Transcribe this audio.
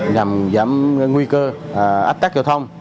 nhằm giảm nguy cơ áp tác giao thông